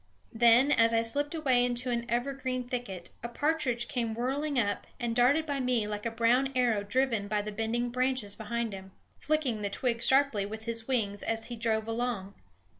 Then, as I slipped away into an evergreen thicket, a partridge came whirring up, and darted by me like a brown arrow driven by the bending branches behind him, flicking the twigs sharply with his wings as he drove along.